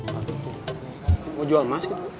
mau jual emas gitu